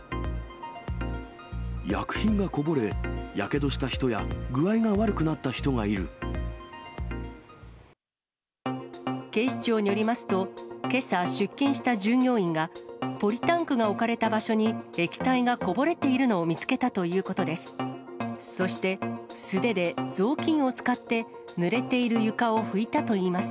薬品がこぼれ、やけどした人警視庁によりますと、けさ、出勤した従業員がポリタンクが置かれた場所に、液体がこぼれているのを見つけたということです。